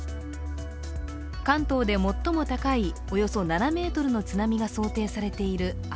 関東で最も高いおよそ７ｍの津波が想定されている旭